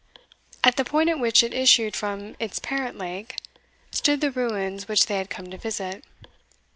At the point at which it issued from "its parent lake," stood the ruins which they had come to visit.